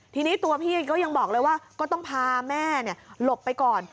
ทีนี้ตัวพี่ก็ยังบอกเลยว่าก็ต้องพาแม่หลบไปก่อน